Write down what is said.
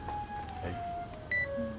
はい。